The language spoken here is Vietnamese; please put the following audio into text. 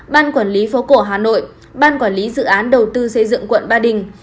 ban quản lý phố cổ hà nội ban quản lý dự án đầu tư xây dựng quận ba đình